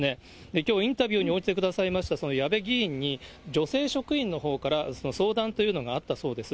きょう、インタビューに応じてくださいました、やべ議員に、女性職員のほうから相談というのがあったそうです。